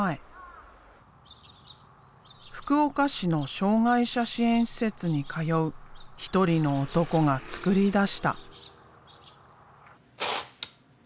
福岡市の障害者支援施設に通う一人の男が作り出した。